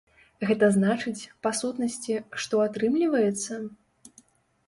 Гэта значыць, па сутнасці, што атрымліваецца?